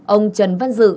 ba ông trần văn dự